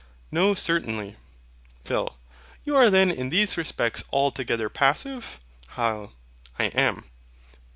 No, certainly. PHIL. You are then in these respects altogether passive? HYL. I am.